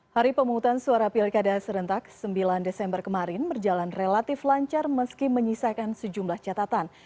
hari pemungutan suara pilkada serentak sembilan desember kemarin berjalan relatif lancar meski menyisakan sejumlah catatan